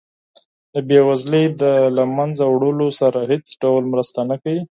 د بیوزلۍ د له مینځه وړلو سره هیڅ ډول مرسته نه کوي.